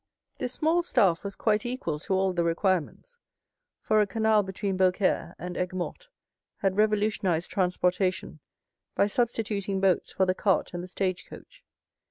This small staff was quite equal to all the requirements, for a canal between Beaucaire and Aiguemortes had revolutionized transportation by substituting boats for the cart and the stagecoach.